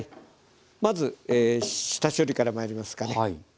まず下処理からまいりますかね。